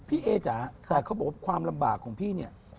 พี่เอจ๋าแต่เขาบอกว่าความลำบากของพี่เนี่ย